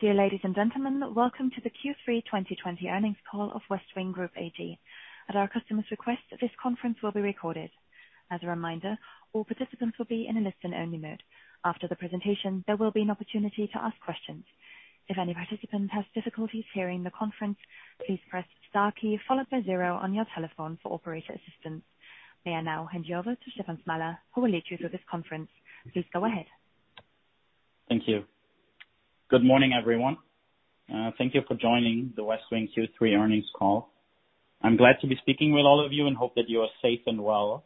Dear ladies and gentlemen, welcome to the Q3 2020 Earnings Call of Westwing Group AG. At our customer's request, this conference will be recorded. As a reminder, all participants will be in a listen-only mode. After the presentation, there will be an opportunity to ask questions. If any participant has difficulties hearing the conference, please press star key followed by zero on your telephone for operator assistance. May I now hand you over to Stefan Smalla, who will lead you through this conference. Please go ahead. Thank you. Good morning, everyone. Thank you for joining the Westwing Q3 earnings call. I'm glad to be speaking with all of you and hope that you are safe and well.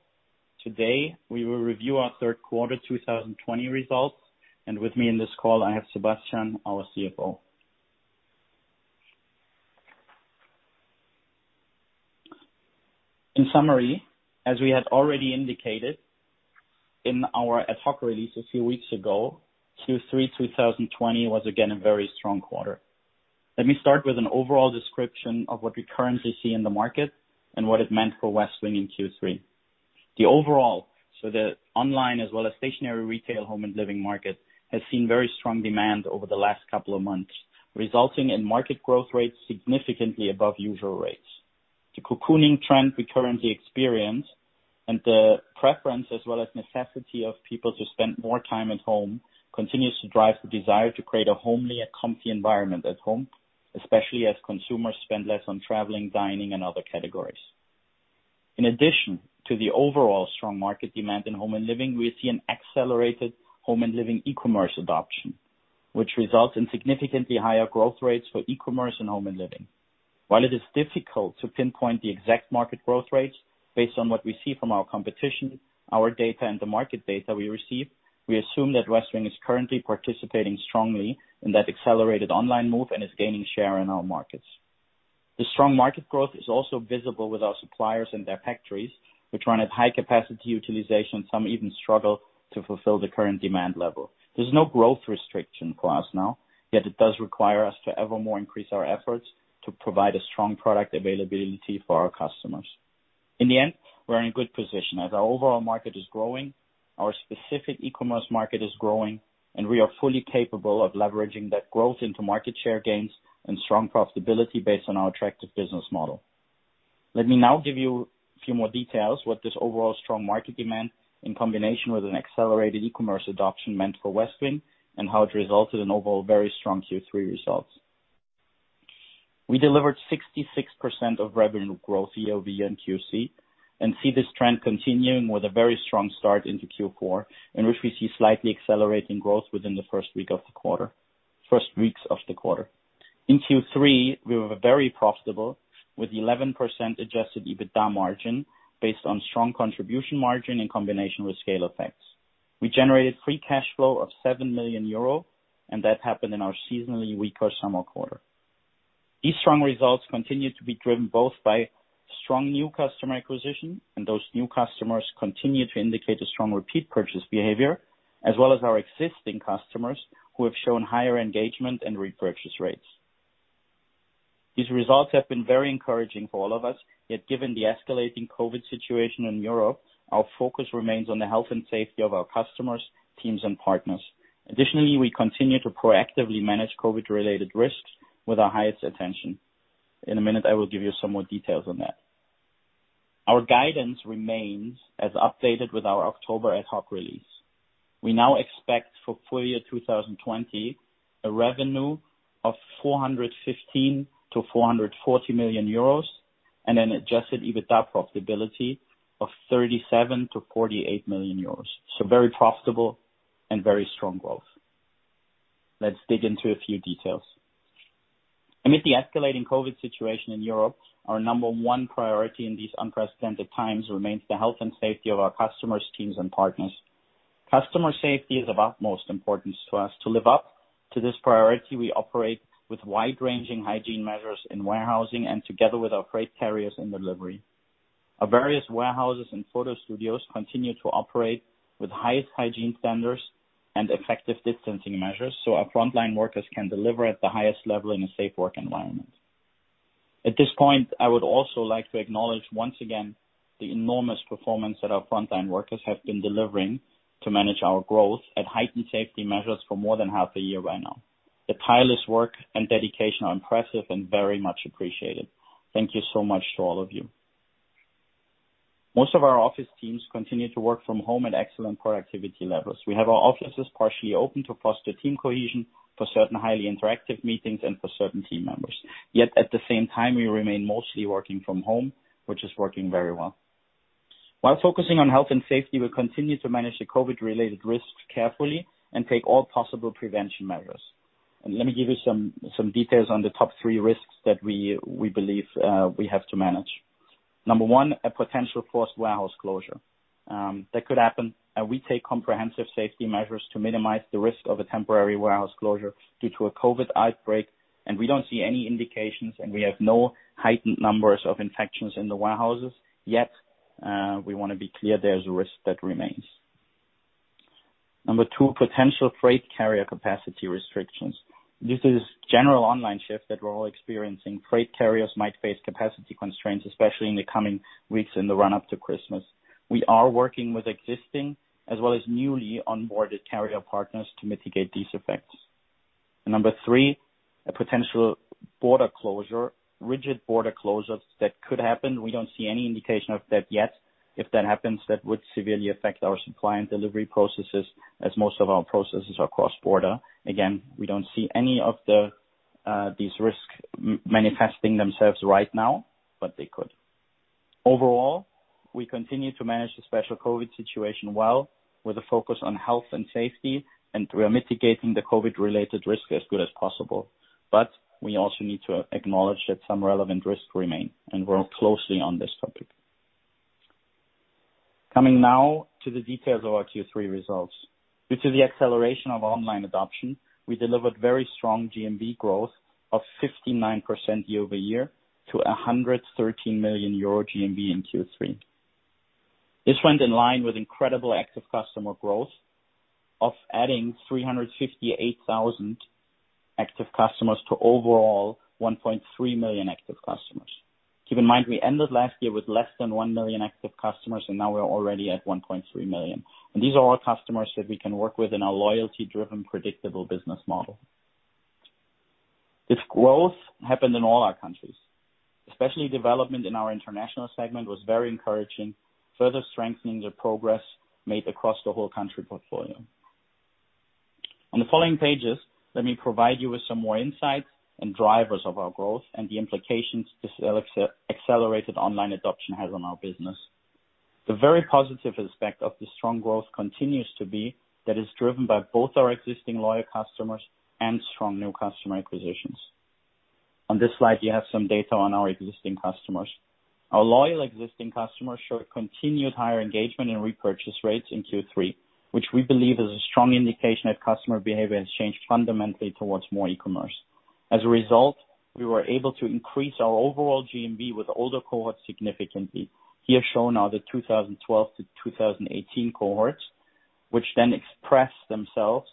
Today, we will review our third quarter 2020 results, and with me in this call, I have Sebastian, our CFO. In summary, as we had already indicated in our ad hoc release a few weeks ago, Q3 2020 was again a very strong quarter. Let me start with an overall description of what we currently see in the market and what it meant for Westwing in Q3. The overall, so the online as well as stationary retail home and living market, has seen very strong demand over the last couple of months, resulting in market growth rates significantly above usual rates. The cocooning trend we currently experience and the preference as well as necessity of people to spend more time at home continues to drive the desire to create a homely and comfy environment at home, especially as consumers spend less on traveling, dining, and other categories. In addition to the overall strong market demand in home and living, we see an accelerated home and living e-commerce adoption, which results in significantly higher growth rates for e-commerce and home and living. While it is difficult to pinpoint the exact market growth rates, based on what we see from our competition, our data, and the market data we receive, we assume that Westwing is currently participating strongly in that accelerated online move and is gaining share in our markets. The strong market growth is also visible with our suppliers and their factories, which run at high capacity utilization. Some even struggle to fulfill the current demand level. There's no growth restriction for us now, yet it does require us to ever more increase our efforts to provide a strong product availability for our customers. In the end, we're in a good position as our overall market is growing, our specific e-commerce market is growing, and we are fully capable of leveraging that growth into market share gains and strong profitability based on our attractive business model. Let me now give you a few more details what this overall strong market demand, in combination with an accelerated e-commerce adoption, meant for Westwing and how it resulted in overall very strong Q3 results. We delivered 66% of revenue growth year-over-year in Q3 and see this trend continuing with a very strong start into Q4, in which we see slightly accelerating growth within the first weeks of the quarter. In Q3, we were very profitable with 11% adjusted EBITDA margin based on strong contribution margin in combination with scale effects. We generated free cash flow of 7 million euro, and that happened in our seasonally weaker summer quarter. These strong results continue to be driven both by strong new customer acquisition, and those new customers continue to indicate a strong repeat purchase behavior, as well as our existing customers who have shown higher engagement and repurchase rates. These results have been very encouraging for all of us, yet given the escalating COVID situation in Europe, our focus remains on the health and safety of our customers, teams, and partners. Additionally, we continue to proactively manage COVID-related risks with our highest attention. In a minute, I will give you some more details on that. Our guidance remains as updated with our October ad hoc release. We now expect for full year 2020, a revenue of 415 million-440 million euros and an adjusted EBITDA profitability of 37 million-48 million euros. Very profitable and very strong growth. Let's dig into a few details. Amid the escalating COVID situation in Europe, our number one priority in these unprecedented times remains the health and safety of our customers, teams, and partners. Customer safety is of utmost importance to us. To live up to this priority, we operate with wide-ranging hygiene measures in warehousing and together with our freight carriers in delivery. Our various warehouses and photo studios continue to operate with highest hygiene standards and effective distancing measures, so our frontline workers can deliver at the highest level in a safe work environment. At this point, I would also like to acknowledge once again the enormous performance that our frontline workers have been delivering to manage our growth at heightened safety measures for more than half a year right now. The tireless work and dedication are impressive and very much appreciated. Thank you so much to all of you. Most of our office teams continue to work from home at excellent productivity levels. We have our offices partially open to foster team cohesion for certain highly interactive meetings and for certain team members. Yet at the same time, we remain mostly working from home, which is working very well. While focusing on health and safety, we continue to manage the COVID-related risks carefully and take all possible prevention measures. Let me give you some details on the top three risks that we believe we have to manage. Number one, a potential forced warehouse closure. That could happen. We take comprehensive safety measures to minimize the risk of a temporary warehouse closure due to a COVID outbreak. We don't see any indications. We have no heightened numbers of infections in the warehouses yet. We want to be clear there's a risk that remains. Number two, potential freight carrier capacity restrictions. This is general online shift that we're all experiencing. Freight carriers might face capacity constraints, especially in the coming weeks in the run-up to Christmas. We are working with existing as well as newly onboarded carrier partners to mitigate these effects. Number three, a potential border closure, rigid border closures that could happen. We don't see any indication of that yet. If that happens, that would severely affect our supply and delivery processes as most of our processes are cross border. We don't see any of these risks manifesting themselves right now, but they could. We continue to manage the special COVID situation well, with a focus on health and safety, and we are mitigating the COVID-related risks as good as possible. We also need to acknowledge that some relevant risks remain, and work closely on this topic. Coming now to the details of our Q3 results. Due to the acceleration of online adoption, we delivered very strong GMV growth of 59% year-over-year to 113 million euro GMV in Q3. This went in line with incredible active customer growth of adding 358,000 active customers to overall 1.3 million active customers. Keep in mind, we ended last year with less than 1 million active customers, and now we're already at 1.3 million. These are all customers that we can work with in a loyalty-driven, predictable business model. This growth happened in all our countries, especially development in our international segment was very encouraging, further strengthening the progress made across the whole country portfolio. On the following pages, let me provide you with some more insights and drivers of our growth and the implications this accelerated online adoption has on our business. The very positive aspect of the strong growth continues to be that is driven by both our existing loyal customers and strong new customer acquisitions. On this slide, you have some data on our existing customers. Our loyal existing customers show continued higher engagement and repurchase rates in Q3, which we believe is a strong indication that customer behavior has changed fundamentally towards more e-commerce. As a result, we were able to increase our overall GMV with older cohorts significantly. Here shown are the 2012 to 2018 cohorts, which then expressed themselves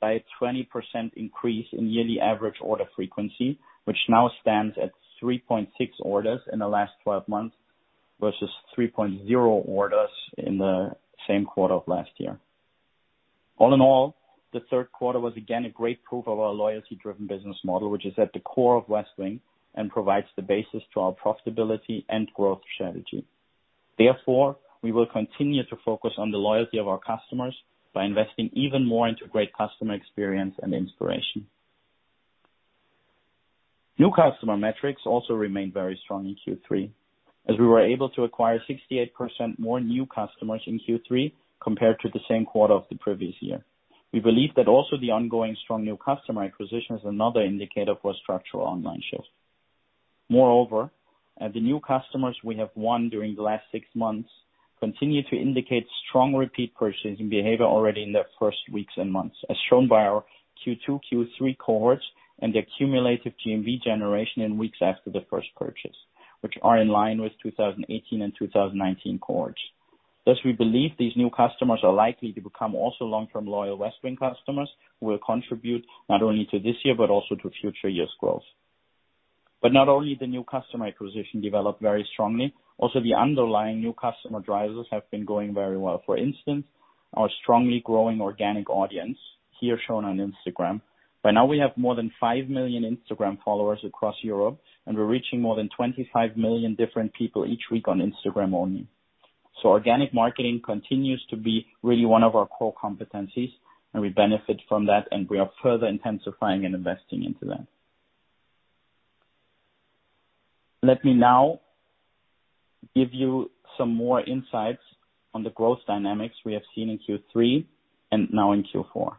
by a 20% increase in yearly average order frequency, which now stands at 3.6 orders in the last 12 months, versus 3.0 orders in the same quarter of last year. All in all, the third quarter was again a great proof of our loyalty driven business model, which is at the core of Westwing and provides the basis to our profitability and growth strategy. We will continue to focus on the loyalty of our customers by investing even more into great customer experience and inspiration. New customer metrics also remained very strong in Q3, as we were able to acquire 68% more new customers in Q3 compared to the same quarter of the previous year. We believe that also the ongoing strong new customer acquisition is another indicator for structural online shift. Moreover, the new customers we have won during the last six months continue to indicate strong repeat purchasing behavior already in their first weeks and months, as shown by our Q2, Q3 cohorts and the cumulative GMV generation in weeks after the first purchase, which are in line with 2018 and 2019 cohorts. Thus, we believe these new customers are likely to become also long-term loyal Westwing customers who will contribute not only to this year, but also to future years' growth. Not only the new customer acquisition developed very strongly, also the underlying new customer drivers have been going very well. For instance, our strongly growing organic audience, here shown on Instagram. By now we have more than 5 million Instagram followers across Europe, and we're reaching more than 25 million different people each week on Instagram only. Organic marketing continues to be really one of our core competencies and we benefit from that, and we are further intensifying and investing into that. Let me now give you some more insights on the growth dynamics we have seen in Q3 and now in Q4.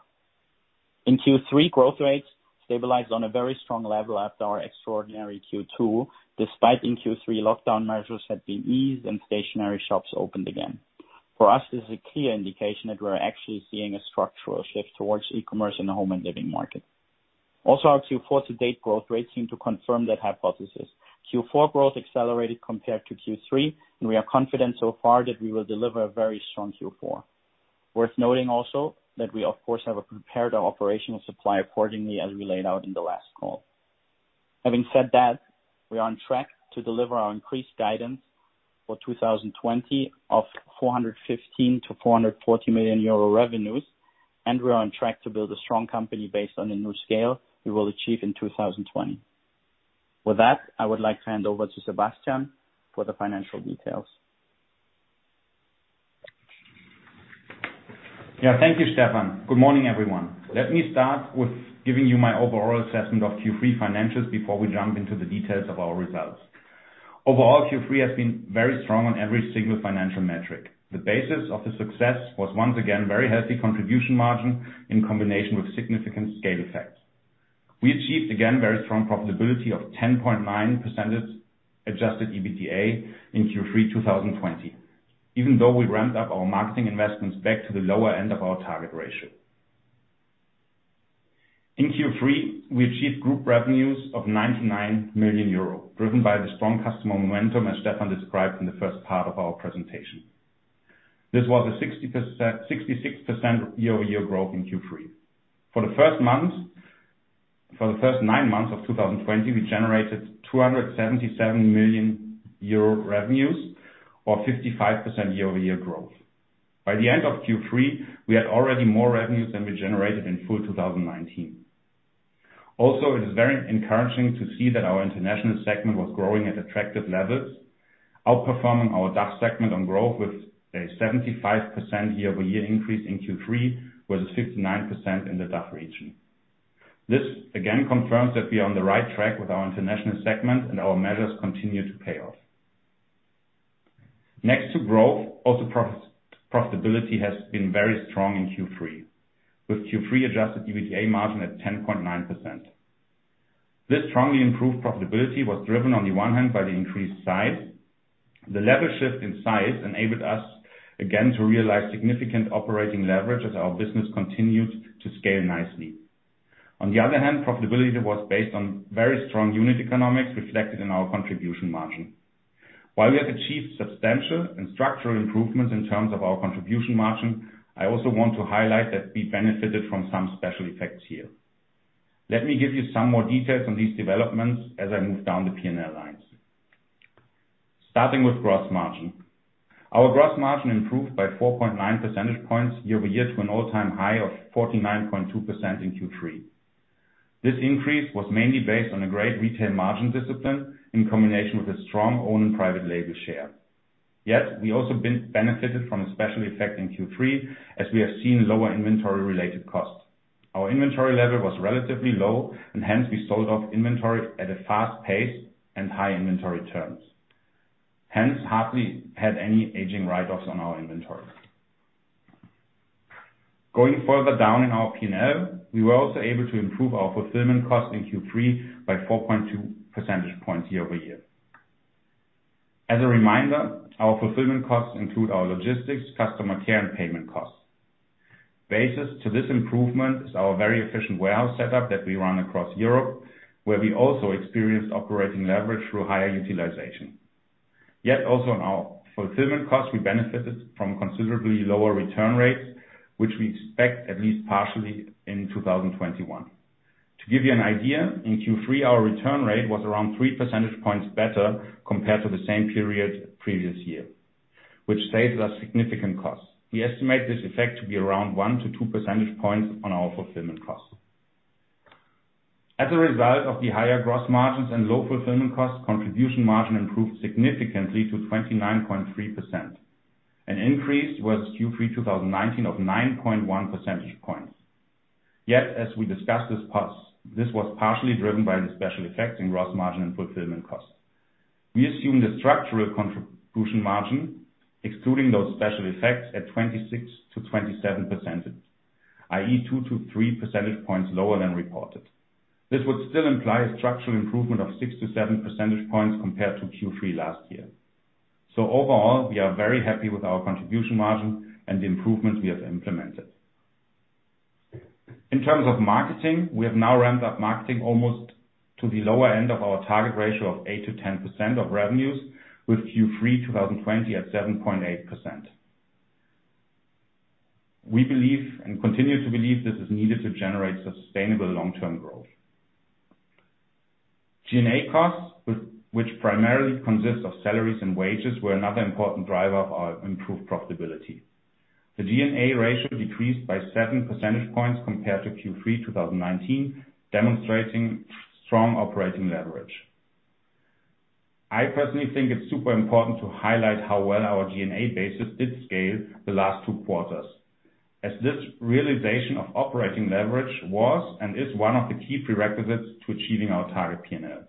In Q3, growth rates stabilized on a very strong level after our extraordinary Q2, despite in Q3 lockdown measures had been eased and stationary shops opened again. For us, this is a clear indication that we're actually seeing a structural shift towards e-commerce in the home and living market. Our Q4 to date growth rates seem to confirm that hypothesis. Q4 growth accelerated compared to Q3, and we are confident so far that we will deliver a very strong Q4. Worth noting also that we of course have prepared our operational supply accordingly as we laid out in the last call. Having said that, we are on track to deliver our increased guidance for 2020 of 415 million-440 million euro revenues, and we are on track to build a strong company based on the new scale we will achieve in 2020. With that, I would like to hand over to Sebastian for the financial details. Yeah. Thank you, Stefan. Good morning, everyone. Let me start with giving you my overall assessment of Q3 financials before we jump into the details of our results. Overall, Q3 has been very strong on every single financial metric. The basis of the success was once again very healthy contribution margin in combination with significant scale effects. We achieved again very strong profitability of 10.9% adjusted EBITDA in Q3 2020, even though we ramped up our marketing investments back to the lower end of our target ratio. In Q3, we achieved group revenues of 99 million euro, driven by the strong customer momentum as Stefan described in the first part of our presentation. This was a 66% year-over-year growth in Q3. For the first nine months of 2020, we generated 277 million euro revenues, or 55% year-over-year growth. By the end of Q3, we had already more revenues than we generated in full 2019. Also, it is very encouraging to see that our international segment was growing at attractive levels, outperforming our DACH segment on growth with a 75% year-over-year increase in Q3, versus 59% in the DACH region. This again confirms that we are on the right track with our international segment and our measures continue to pay off. Next to growth, also profitability has been very strong in Q3 with Q3 adjusted EBITDA margin at 10.9%. This strongly improved profitability was driven on the one hand by the increased size. The level shift in size enabled us again, to realize significant operating leverage as our business continued to scale nicely. On the other hand, profitability was based on very strong unit economics reflected in our contribution margin. While we have achieved substantial and structural improvements in terms of our contribution margin, I also want to highlight that we benefited from some special effects here. Let me give you some more details on these developments as I move down the P&L lines. Starting with gross margin. Our gross margin improved by 4.9 percentage points year-over-year to an all-time high of 49.2% in Q3. This increase was mainly based on a great retail margin discipline in combination with a strong own and private label share. Yet, we also benefited from a special effect in Q3, as we have seen lower inventory related costs. Our inventory level was relatively low, and hence we sold off inventory at a fast pace and high inventory turns, hence hardly had any aging write-offs on our inventory. Going further down in our P&L, we were also able to improve our fulfillment cost in Q3 by 4.2 percentage points year-over-year. As a reminder, our fulfillment costs include our logistics, customer care, and payment costs. Basis to this improvement is our very efficient warehouse setup that we run across Europe, where we also experienced operating leverage through higher utilization. Also in our fulfillment cost, we benefited from considerably lower return rates, which we expect at least partially in 2021. To give you an idea, in Q3 our return rate was around three percentage points better compared to the same period previous year, which saves us significant costs. We estimate this effect to be around one to two percentage points on our fulfillment cost. As a result of the higher gross margins and low fulfillment costs, contribution margin improved significantly to 29.3%. An increase was Q3 2019 of 9.1 percentage points. Yet, as we discussed, this was partially driven by the special effects in gross margin and fulfillment cost. We assume the structural contribution margin, excluding those special effects, at 26%-27%, i.e., 2-3 percentage points lower than reported. This would still imply a structural improvement of 6-7 percentage points compared to Q3 last year. Overall, we are very happy with our contribution margin and the improvements we have implemented. In terms of marketing, we have now ramped up marketing almost to the lower end of our target ratio of 8%-10% of revenues with Q3 2020 at 7.8%. We believe and continue to believe this is needed to generate sustainable long-term growth. G&A costs, which primarily consists of salaries and wages, were another important driver of our improved profitability. The G&A ratio decreased by seven percentage points compared to Q3 2019, demonstrating strong operating leverage. I personally think it's super important to highlight how well our G&A bases did scale the last two quarters, as this realization of operating leverage was and is one of the key prerequisites to achieving our target P&L.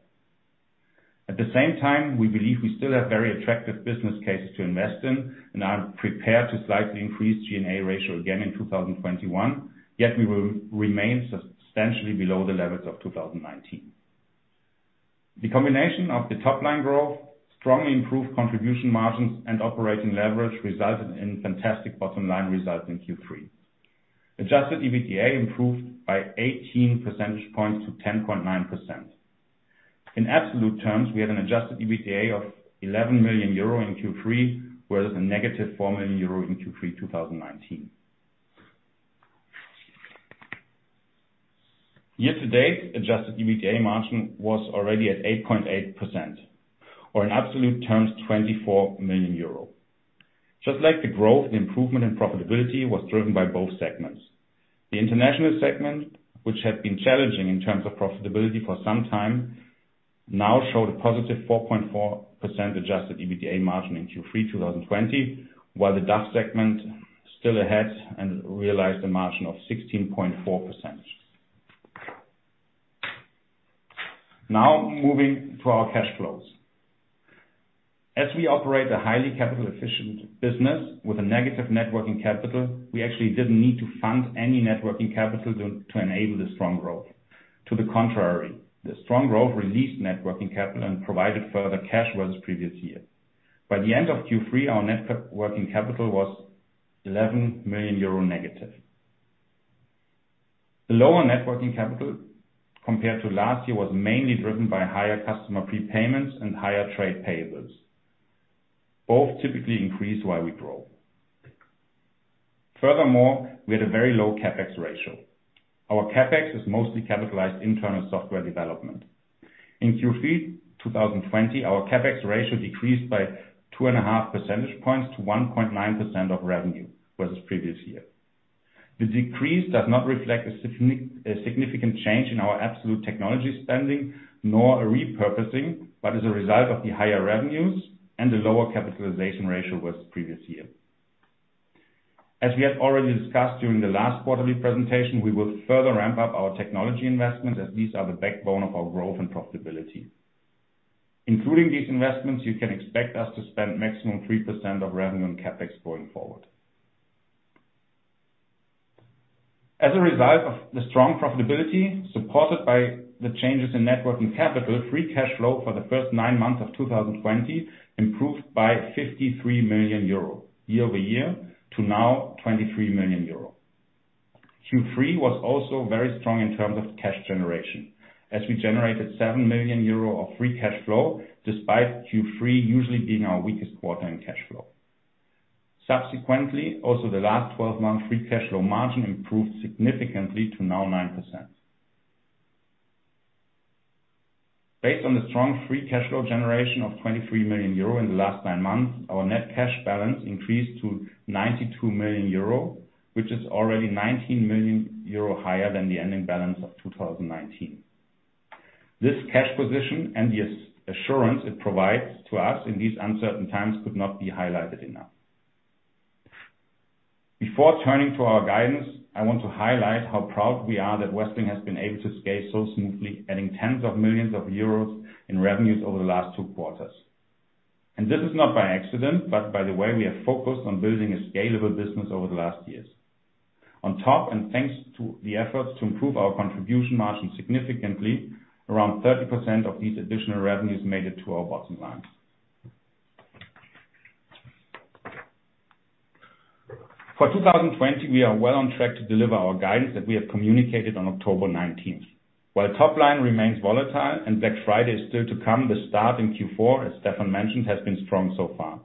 At the same time, we believe we still have very attractive business cases to invest in and are prepared to slightly increase G&A ratio again in 2021, yet we will remain substantially below the levels of 2019. The combination of the top-line growth, strongly improved contribution margins, and operating leverage resulted in fantastic bottom-line results in Q3. Adjusted EBITDA improved by 18 percentage points to 10.9%. In absolute terms, we had an adjusted EBITDA of 11 million euro in Q3, whereas a -4 million euro in Q3 2019. Year to date, adjusted EBITDA margin was already at 8.8%, or in absolute terms, 24 million euro. Just like the growth and improvement in profitability was driven by both segments. The international segment, which had been challenging in terms of profitability for some time, now showed a positive 4.4% adjusted EBITDA margin in Q3 2020, while the DACH segment still ahead and realized a margin of 16.4%. Now, moving to our cash flows. As we operate a highly capital efficient business with a negative net working capital, we actually didn't need to fund any net working capital to enable the strong growth. To the contrary, the strong growth released net working capital and provided further cash versus previous year. By the end of Q3, our net working capital was -11 million euro. The lower net working capital compared to last year was mainly driven by higher customer prepayments and higher trade payables. Both typically increase while we grow. Furthermore, we had a very low CapEx ratio. Our CapEx is mostly capitalized internal software development. In Q3 2020, our CapEx ratio decreased by 2.5 percentage points to 1.9% of revenue versus previous year. The decrease does not reflect a significant change in our absolute technology spending, nor a repurposing, but is a result of the higher revenues and the lower capitalization ratio versus previous year. As we had already discussed during the last quarterly presentation, we will further ramp up our technology investments as these are the backbone of our growth and profitability. Including these investments, you can expect us to spend maximum 3% of revenue on CapEx going forward. As a result of the strong profitability supported by the changes in net working capital, free cash flow for the first nine months of 2020 improved by 53 million euro year over year to now 23 million euro. Q3 was also very strong in terms of cash generation as we generated 7 million euro of free cash flow, despite Q3 usually being our weakest quarter in cash flow. Subsequently, also the last 12 months free cash flow margin improved significantly to now 9%. Based on the strong free cash flow generation of 23 million euro in the last nine months, our net cash balance increased to 92 million euro, which is already 19 million euro higher than the ending balance of 2019. This cash position and the assurance it provides to us in these uncertain times could not be highlighted enough. Before turning to our guidance, I want to highlight how proud we are that Westwing has been able to scale so smoothly, adding 10 million euros in revenues over the last two quarters. This is not by accident, but by the way we have focused on building a scalable business over the last years. On top, thanks to the efforts to improve our contribution margin significantly, around 30% of these additional revenues made it to our bottom line. For 2020, we are well on track to deliver our guidance that we have communicated on October 19th. While top line remains volatile and Black Friday is still to come, the start in Q4, as Stefan mentioned, has been strong so far.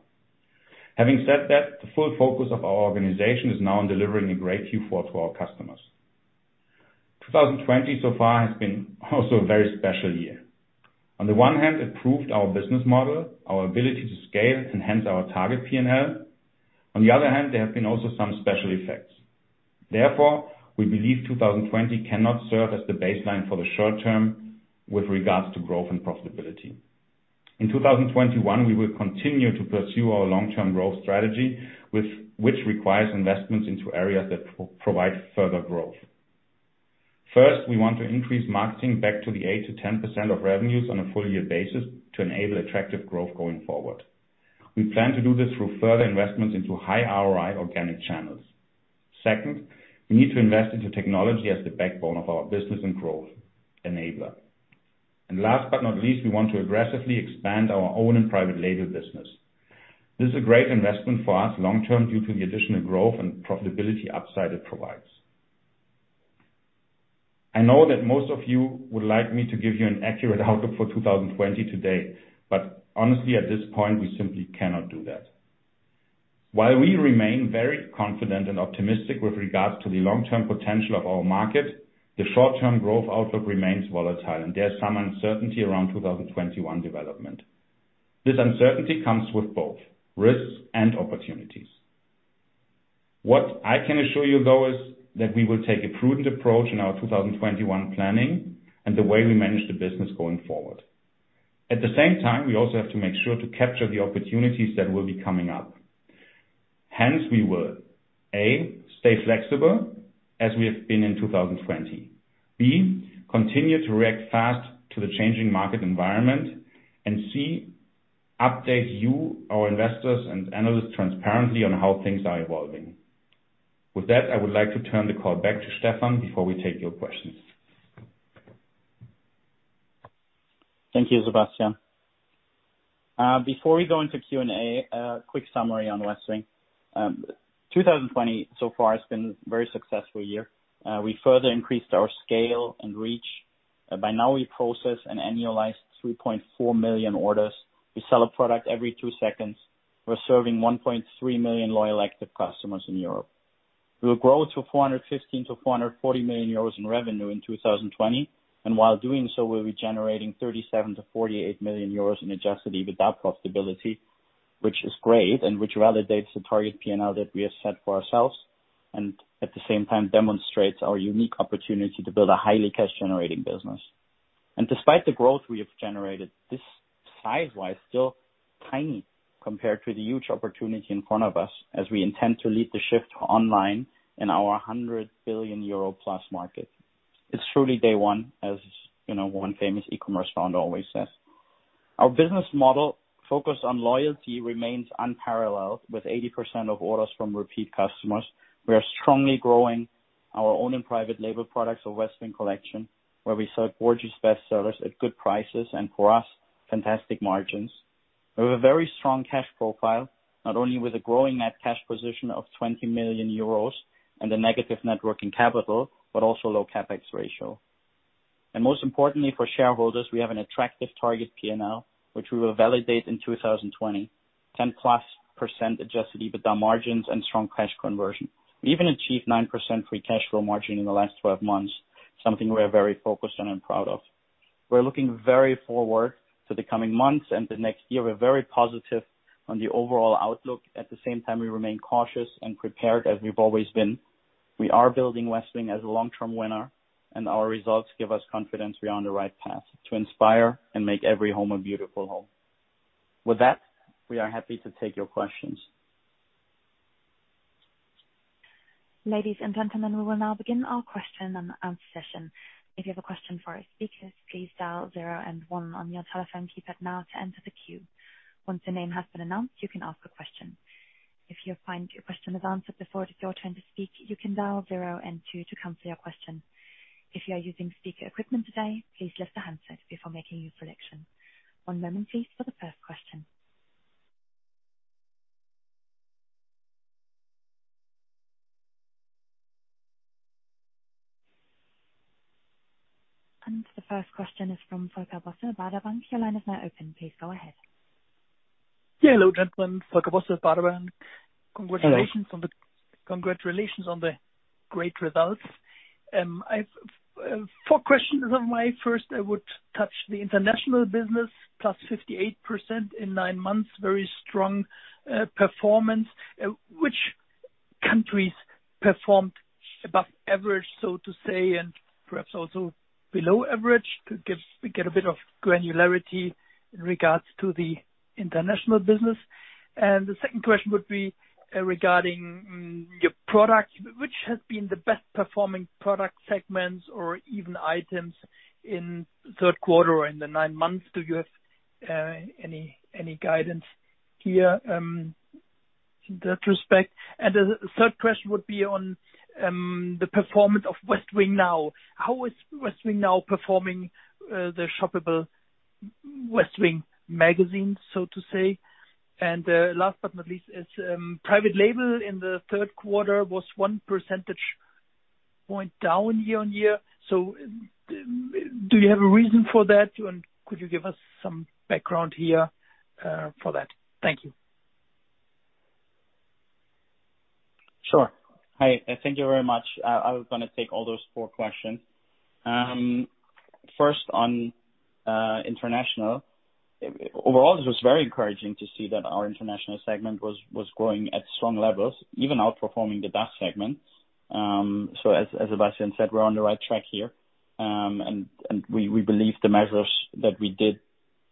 Having said that, the full focus of our organization is now on delivering a great Q4 to our customers. 2020 so far has been also a very special year. On the one hand, it proved our business model, our ability to scale, and hence our target P&L. On the other hand, there have been also some special effects. We believe 2020 cannot serve as the baseline for the short-term with regards to growth and profitability. In 2021, we will continue to pursue our long-term growth strategy, which requires investments into areas that provide further growth. First, we want to increase marketing back to the 8%-10% of revenues on a full year basis to enable attractive growth going forward. We plan to do this through further investments into high ROI organic channels. Second, we need to invest into technology as the backbone of our business and growth enabler. Last but not least, we want to aggressively expand our own and private label business. This is a great investment for us long-term due to the additional growth and profitability upside it provides. Honestly, at this point, we simply cannot do that. While we remain very confident and optimistic with regards to the long-term potential of our market, the short-term growth outlook remains volatile, and there is some uncertainty around 2021 development. This uncertainty comes with both risks and opportunities. What I can assure you, though, is that we will take a prudent approach in our 2021 planning and the way we manage the business going forward. At the same time, we also have to make sure to capture the opportunities that will be coming up. We will, A, stay flexible as we have been in 2020. B, continue to react fast to the changing market environment. C, update you, our investors, and analysts transparently on how things are evolving. With that, I would like to turn the call back to Stefan before we take your questions. Thank you, Sebastian. Before we go into Q&A, a quick summary on Westwing. 2020 so far has been a very successful year. We further increased our scale and reach. By now we process an annualized 3.4 million orders. We sell a product every two seconds. We're serving 1.3 million loyal active customers in Europe. We will grow to 415 million-440 million euros in revenue in 2020. While doing so, we'll be generating 37 million-48 million euros in adjusted EBITDA profitability, which is great, and which validates the target P&L that we have set for ourselves, and at the same time demonstrates our unique opportunity to build a highly cash-generating business. Despite the growth we have generated, this size-wise still tiny compared to the huge opportunity in front of us as we intend to lead the shift online in our 100+ billion euro market. It's truly day one, as one famous e-commerce founder always says. Our business model focused on loyalty remains unparalleled with 80% of orders from repeat customers. We are strongly growing. Our own and private label products are Westwing Collection, where we sell gorgeous bestsellers at good prices and for us, fantastic margins. We have a very strong cash profile, not only with a growing net cash position of 20 million euros and a negative net working capital, but also low CapEx ratio. Most importantly for shareholders, we have an attractive target P&L, which we will validate in 2020, 10%+ adjusted EBITDA margins and strong cash conversion. We even achieved 9% free cash flow margin in the last 12 months, something we are very focused on and proud of. We're looking very forward to the coming months and the next year. We're very positive on the overall outlook. At the same time, we remain cautious and prepared as we've always been. We are building Westwing as a long-term winner, and our results give us confidence we are on the right path to inspire and make every home a beautiful home. With that, we are happy to take your questions. Ladies and gentlemen we will now begin our question-and-answer session. If you have a question for the speakers, press star zero and one on your telephone keypad to enter into the queue. Once your name has been announce you can ask a question. If you found your question was answered before your turn to speak you can dial zero and two to cancel your question. If you are using speaker equipment today please lift the handset before making your selection. One moment please for the first question. The first question is from Volker Bosse, Baader Bank. Your line is now open. Please go ahead. Yeah, hello gentlemen, Volker Bosse, Baader Bank. Hello. Congratulations on the great results. Four questions on my first. I would touch the international business, +58% in nine months, very strong performance. Which countries performed above average, so to say, and perhaps also below average, to get a bit of granularity in regards to the international business? The second question would be regarding your product. Which has been the best performing product segments or even items in third quarter or in the nine months? Do you have any guidance here in that respect? The third question would be on the performance of WestwingNow. How is WestwingNow performing the shoppable Westwing magazine, so to say? Last but not least is, private label in the third quarter was one percentage point down year-on-year. Do you have a reason for that? Could you give us some background here for that? Thank you. Hi, thank you very much. I was going to take all those four questions. On international. This was very encouraging to see that our international segment was growing at strong levels, even outperforming the DACH segment. As Sebastian said, we're on the right track here. We believe the measures that we did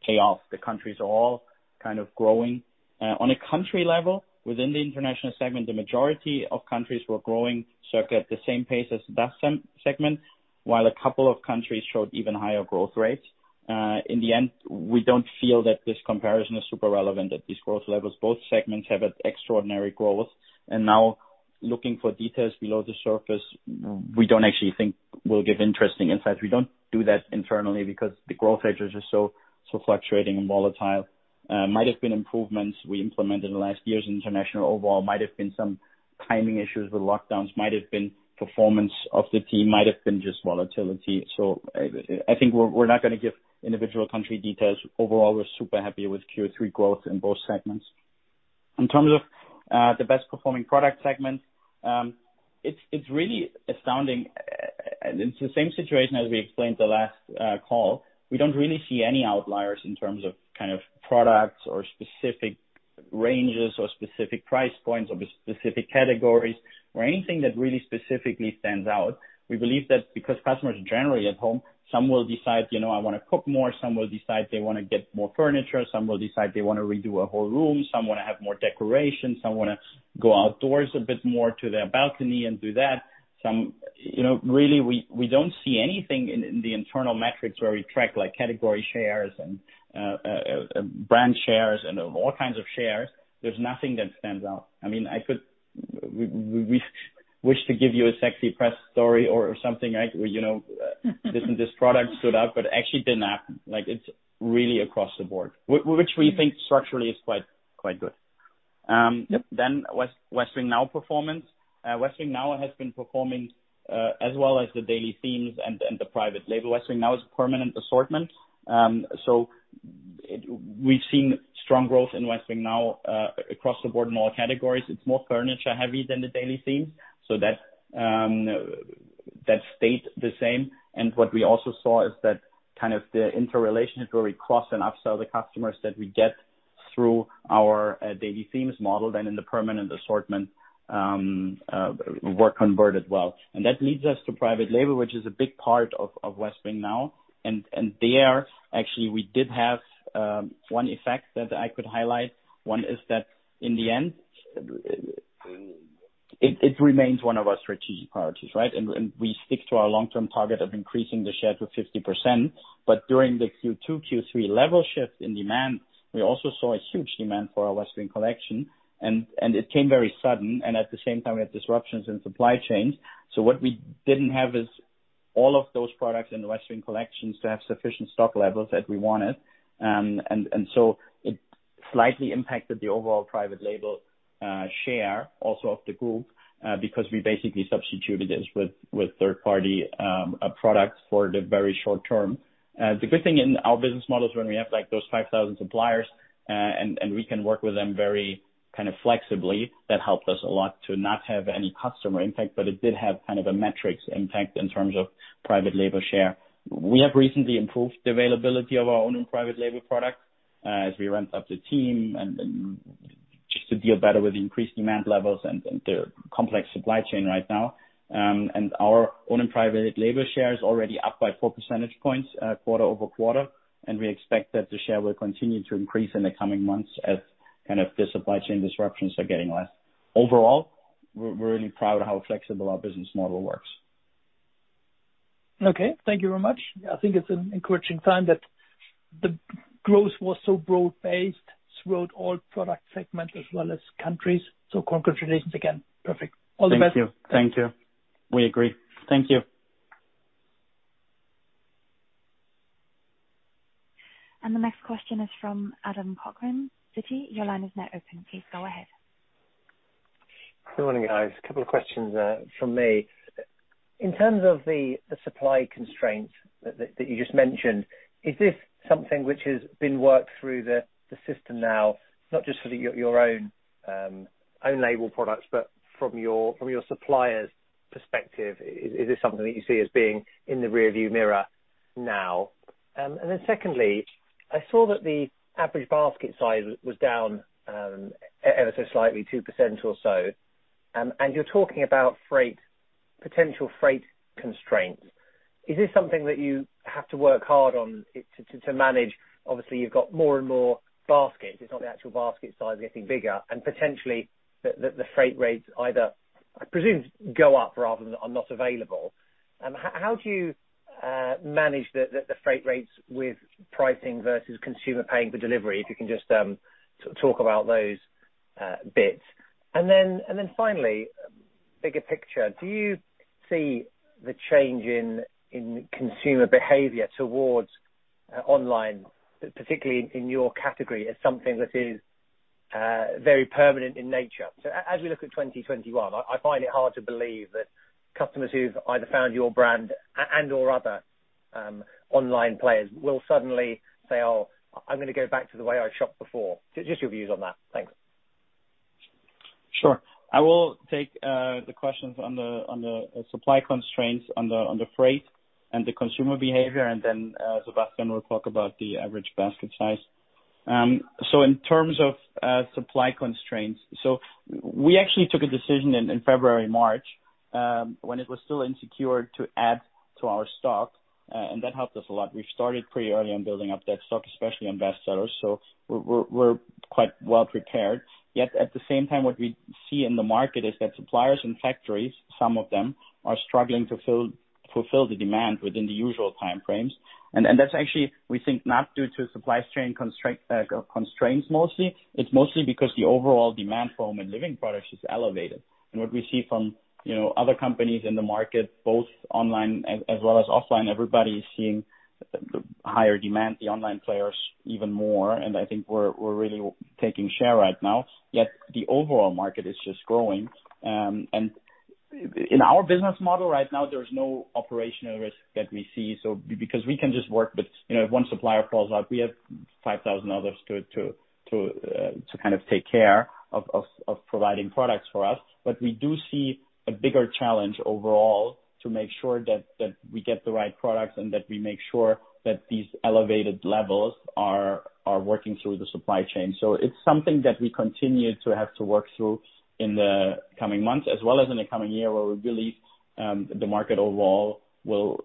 pay off. The countries are all kind of growing. On a country level within the international segment, the majority of countries were growing circa at the same pace as the DACH segment, while a couple of countries showed even higher growth rates. We don't feel that this comparison is super relevant at these growth levels. Both segments have had extraordinary growth, and now looking for details below the surface, we don't actually think will give interesting insights. We don't do that internally because the growth rates are so fluctuating and volatile. Might have been improvements we implemented in the last years. International overall might have been some timing issues with lockdowns, might have been performance of the team, might have been just volatility. I think we're not going to give individual country details. Overall, we're super happy with Q3 growth in both segments. In terms of the best performing product segment, it's really astounding, it's the same situation as we explained the last call. We don't really see any outliers in terms of products or specific ranges or specific price points or specific categories or anything that really specifically stands out. We believe that because customers are generally at home, some will decide, I want to cook more. Some will decide they want to get more furniture. Some will decide they want to redo a whole room. Some want to have more decoration. Some want to go outdoors a bit more to their balcony and do that. Really, we don't see anything in the internal metrics where we track category shares and brand shares and all kinds of shares. There's nothing that stands out. We wish to give you a sexy press story or something, this and this product stood out, but actually did not. It's really across the board, which we think structurally is quite good. Yep. WestwingNow performance. WestwingNow has been performing, as well as the daily themes and the private label. WestwingNow is a permanent assortment. We've seen strong growth in WestwingNow across the board in all categories. It's more furniture heavy than the daily themes. That stayed the same. What we also saw is that the interrelationship where we cross and upsell the customers that we get through our daily themes model, then in the permanent assortment, were converted well. That leads us to private label, which is a big part of WestwingNow. There, actually, we did have one effect that I could highlight. One is that in the end, it remains one of our strategic priorities, right? We stick to our long-term target of increasing the share to 50%. During the Q2, Q3 level shifts in demand, we also saw a huge demand for our Westwing Collection, it came very sudden, at the same time, we had disruptions in supply chains. What we didn't have all of those products in the Westwing Collection to have sufficient stock levels that we wanted. It slightly impacted the overall private label share also of the group, because we basically substituted this with third-party products for the very short-term. The good thing in our business model is when we have those 5,000 suppliers, we can work with them very flexibly, that helped us a lot to not have any customer impact. It did have a metrics impact in terms of private label share. We have recently improved the availability of our own private label products, as we ramped up the team and just to deal better with the increased demand levels and the complex supply chain right now. Our own and private label share is already up by four percentage points quarter-over-quarter, and we expect that the share will continue to increase in the coming months as the supply chain disruptions are getting less. Overall, we're really proud of how flexible our business model works. Okay. Thank you very much. I think it's an encouraging sign that the growth was so broad-based throughout all product segments as well as countries. Congratulations again. Perfect. All the best. Thank you. We agree. Thank you. The next question is from Adam Cochrane, Citi. Your line is now open. Please go ahead. Good morning, guys. A couple of questions, from me. In terms of the supply constraints that you just mentioned, is this something which has been worked through the system now, not just for your own label products, but from your suppliers' perspective, is this something that you see as being in the rearview mirror now? Secondly, I saw that the average basket size was down ever so slightly, 2% or so, and you're talking about potential freight constraints. Is this something that you have to work hard on to manage? Obviously, you've got more and more baskets. It's not the actual basket size getting bigger, potentially the freight rates either, I presume, go up rather than are not available. How do you manage the freight rates with pricing versus consumer paying for delivery? If you can just talk about those bits. Finally, bigger picture, do you see the change in consumer behavior towards online, particularly in your category, as something that is very permanent in nature? As we look at 2021, I find it hard to believe that customers who've either found your brand and/or other online players will suddenly say, "Oh, I'm going to go back to the way I shopped before." Just your views on that. Thanks. Sure. I will take the questions on the supply constraints, on the freight and the consumer behavior, and then Sebastian will talk about the average basket size. In terms of supply constraints, we actually took a decision in February, March, when it was still insecure to add to our stock, and that helped us a lot. We started pretty early on building up that stock, especially on best sellers, we're quite well prepared. At the same time, what we see in the market is that suppliers and factories, some of them, are struggling to fulfill the demand within the usual time frames. That's actually, we think, not due to supply chain constraints mostly. It's mostly because the overall demand for home and living products is elevated. What we see from other companies in the market, both online as well as offline, everybody is seeing the higher demand, the online players even more, and I think we're really taking share right now, yet the overall market is just growing. In our business model right now, there is no operational risk that we see. Because we can just work with, if one supplier falls out, we have 5,000 others to take care of providing products for us. We do see a bigger challenge overall to make sure that we get the right products and that we make sure that these elevated levels are working through the supply chain. It's something that we continue to have to work through in the coming months as well as in the coming year, where we believe the market overall will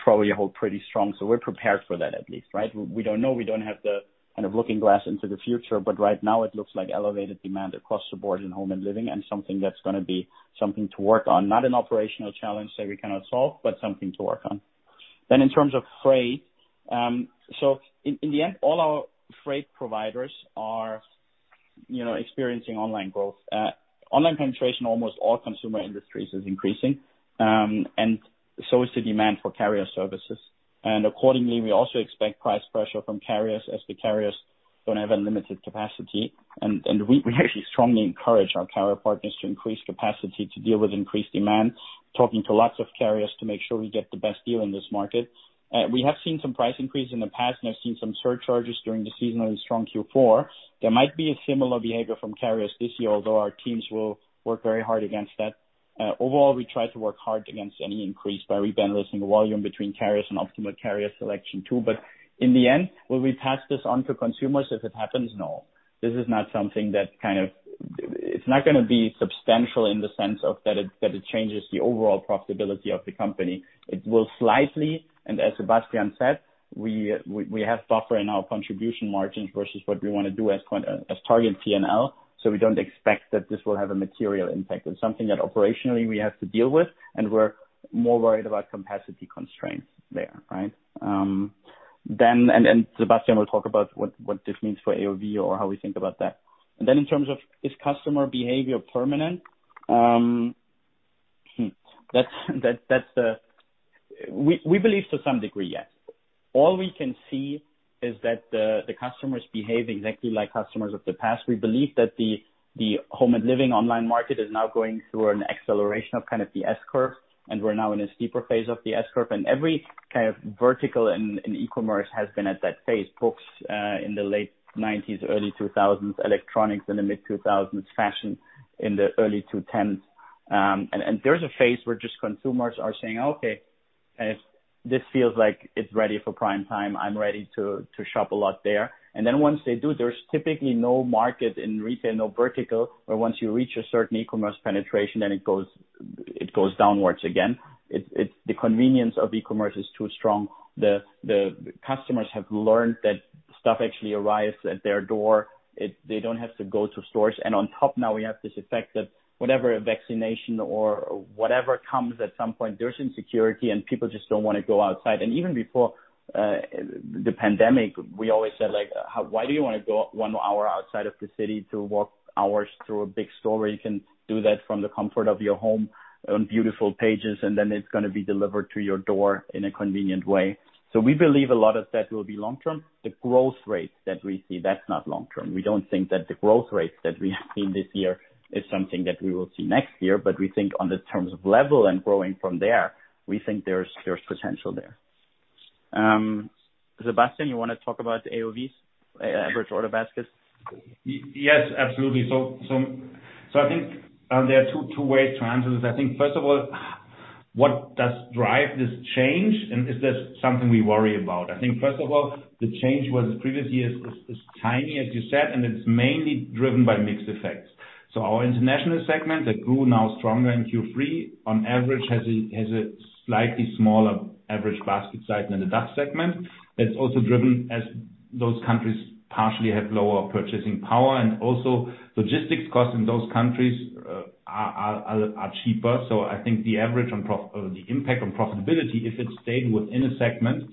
probably hold pretty strong. We're prepared for that, at least, right? We don't know. We don't have the looking glass into the future. Right now, it looks like elevated demand across the board in home and living and something that's going to be something to work on. Not an operational challenge that we cannot solve, but something to work on. In terms of freight, in the end, all our freight providers are experiencing online growth. Online penetration, almost all consumer industries is increasing, and so is the demand for carrier services. Accordingly, we also expect price pressure from carriers as the carriers don't have unlimited capacity. We actually strongly encourage our carrier partners to increase capacity to deal with increased demand, talking to lots of carriers to make sure we get the best deal in this market. We have seen some price increase in the past, and I've seen some surcharges during the seasonally strong Q4. There might be a similar behavior from carriers this year, although our teams will work very hard against that. We try to work hard against any increase by rebalancing the volume between carriers and optimal carrier selection too. In the end, will we pass this on to consumers if it happens? No. This is not. It's not going to be substantial in the sense of that it changes the overall profitability of the company. It will slightly, and as Sebastian said, we have buffer in our contribution margins versus what we want to do as target P&L. We don't expect that this will have a material impact. It's something that operationally we have to deal with, and we're more worried about capacity constraints there, right? Sebastian will talk about what this means for AOV or how we think about that. In terms of, is customer behavior permanent? We believe to some degree, yes. All we can see is that the customers behave exactly like customers of the past. We believe that the home and living online market is now going through an acceleration of the S-curve, and we're now in a steeper phase of the S-curve. Every vertical in e-commerce has been at that phase. Books, in the late 1990s, early 2000s, electronics in the mid-2000s, fashion in the early 2010s. There's a phase where just consumers are saying, "Okay, this feels like it's ready for prime time. I'm ready to shop a lot there." Once they do, there's typically no market in retail, no vertical, where once you reach a certain e-commerce penetration, then it goes downwards again. The convenience of e-commerce is too strong. The customers have learned that stuff actually arrives at their door. They don't have to go to stores. On top now we have this effect that whatever vaccination or whatever comes, at some point, there's insecurity, and people just don't want to go outside. Even before the pandemic, we always said, "Why do you want to go one hour outside of the city to walk hours through a big store where you can do that from the comfort of your home on beautiful pages, and then it's going to be delivered to your door in a convenient way?" We believe a lot of that will be long-term. The growth rates that we see, that's not long-term. We don't think that the growth rates that we have seen this year is something that we will see next year. We think on the terms of level and growing from there, we think there's potential there. Sebastian, you want to talk about the AOVs, average order baskets? Yes, absolutely. I think there are two ways to answer this. I think, first of all, what does drive this change, and is this something we worry about? I think, first of all, the change was the previous years is tiny, as you said, and it's mainly driven by mix effects. Our international segment that grew now stronger in Q3, on average, has a slightly smaller average basket size than the DACH segment. It's also driven as those countries partially have lower purchasing power. Also logistics costs in those countries are cheaper. I think the impact on profitability, if it stayed within a segment,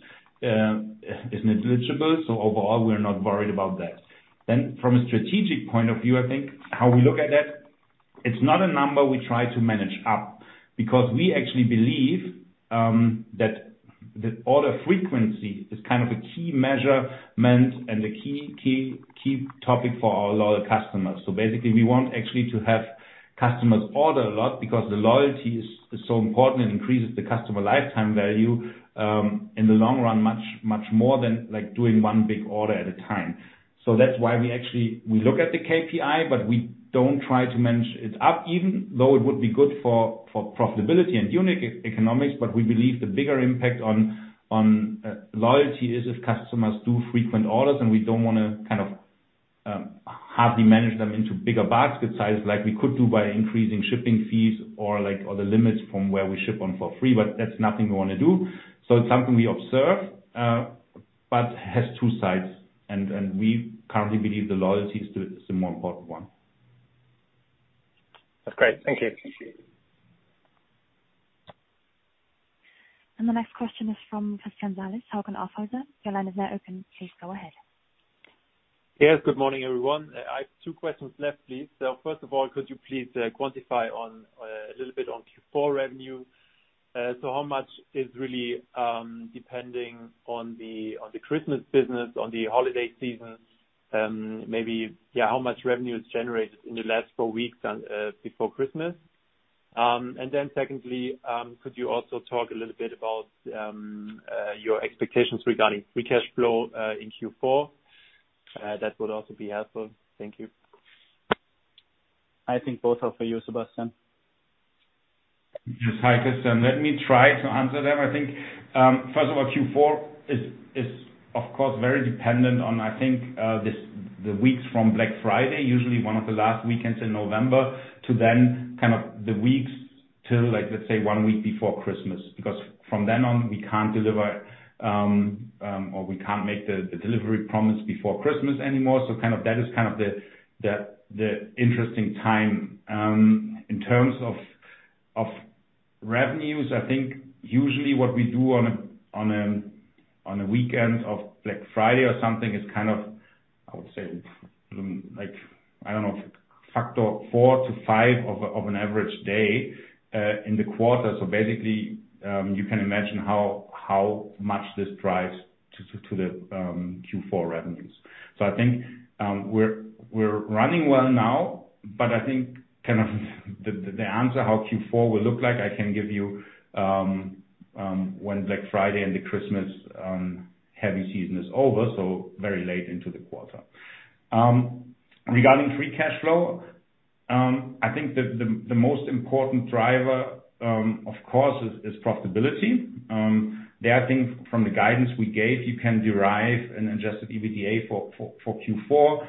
is negligible. Overall, we're not worried about that. From a strategic point of view, I think how we look at that, it's not a number we try to manage up because we actually believe that the order frequency is a key measurement and the key topic for our loyal customers. Basically, we want actually to have customers order a lot because the loyalty is so important and increases the customer lifetime value, in the long run, much more than doing one big order at a time. That's why we actually, we look at the KPI, but we don't try to manage it up, even though it would be good for profitability and unit economics. We believe the bigger impact on loyalty is if customers do frequent orders, and we don't want to hardly manage them into bigger basket sizes like we could do by increasing shipping fees or the limits from where we ship them for free, but that's nothing we want to do. It's something we observe, but has two sides, and we currently believe the loyalty is the more important one. That's great. Thank you. Thank you. The next question is from Christian Salis, Hauck & Aufhäuser. Your line is now open. Please go ahead. Yes. Good morning, everyone. I have two questions left, please. First of all, could you please quantify a little bit on Q4 revenue? How much is really, depending on the Christmas business, on the holiday season, maybe how much revenue is generated in the last four weeks before Christmas? Secondly, could you also talk a little bit about your expectations regarding free cash flow in Q4? That would also be helpful. Thank you. I think both are for you, Sebastian. Yes. Hi, Christian. Let me try to answer them. First of all, Q4 is, of course, very dependent on the weeks from Black Friday, usually one of the last weekends in November, to the weeks till, let's say, one week before Christmas, because from then on, we can't deliver, or we can't make the delivery promise before Christmas anymore. That is the interesting time. In terms of revenues, usually what we do on a weekend of Black Friday or something is factor four to five of an average day in the quarter. You can imagine how much this drives to the Q4 revenues. I think, we're running well now, but I think the answer how Q4 will look like, I can give you when Black Friday and the Christmas heavy season is over, so very late into the quarter. Regarding free cash flow, I think the most important driver, of course, is profitability. There, I think, from the guidance we gave, you can derive an adjusted EBITDA for Q4.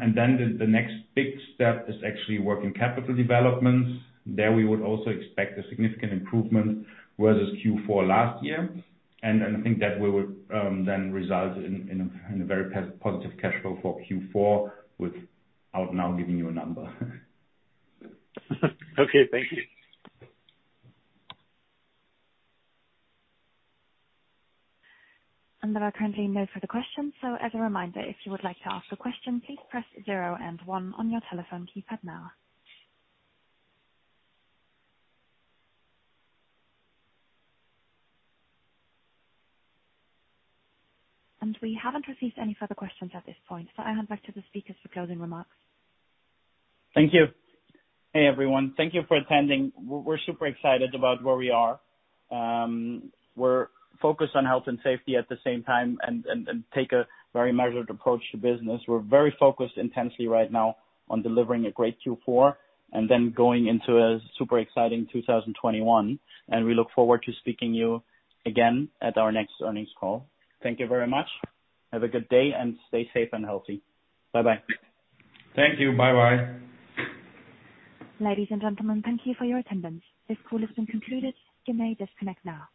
Then the next big step is actually working capital developments. There we would also expect a significant improvement versus Q4 last year. I think that will then result in a very positive cash flow for Q4 without now giving you a number. Okay. Thank you. There are currently no further questions. As a reminder, if you would like to ask a question, please press zero and one on your telephone keypad now. We haven't received any further questions at this point, so I hand back to the speakers for closing remarks. Thank you. Hey, everyone. Thank you for attending. We're super excited about where we are. We're focused on health and safety at the same time and take a very measured approach to business. We're very focused intensely right now on delivering a great Q4 and then going into a super exciting 2021, and we look forward to speaking to you again at our next earnings call. Thank you very much. Have a good day, and stay safe and healthy. Bye-bye. Thank you. Bye-bye. Ladies and gentlemen, thank you for your attendance. This call has been concluded. You may disconnect now.